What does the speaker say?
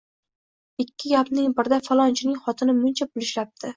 Ikki gapning birida falonchining xotini muncha pul ishlabdi